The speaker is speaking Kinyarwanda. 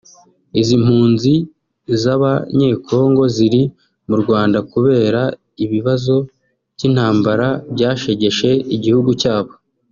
Izi mpunzi z’Abanyekongo ziri mu Rwanda kubera ibibazo by’intambara byashegeshe igihugu cyabo